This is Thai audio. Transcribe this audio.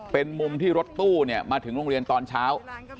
เป็นมุมที่รถตู้มาถึงโรงเรียนตอนเช้า